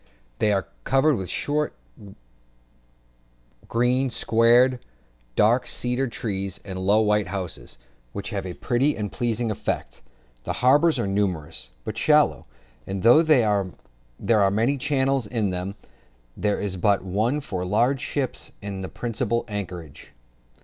They are covered with a short green sward, dark cedar trees, and low white houses, which have a pretty and pleasing effect; the harbours are numerous, but shallow; and though there are many channels into them, there is but one for large ships into the principal anchorage.